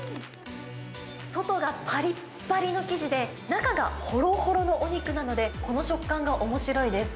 外がぱりっぱりの生地で、中がほろほろのお肉なので、この食感がおもしろいです。